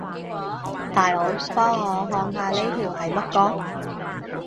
大佬，幫我看下呢條係乜歌